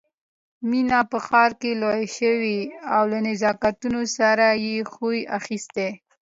مينه په ښار کې لويه شوې او له نزاکتونو سره يې خوی اخيستی